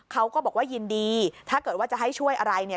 เขาก็บอกว่ายินดีถ้าเกิดว่าจะให้ช่วยอะไรเนี่ย